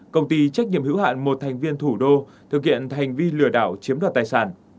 công ty trách nhiệm hữu hạn một thành viên thủ đô thực hiện hành vi lừa đảo chiếm đoạt tài sản